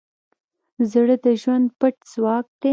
زړه د ژوند پټ ځواک دی.